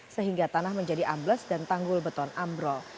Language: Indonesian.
sehingga tanah menjadi ambles dan tanggul beton ambrol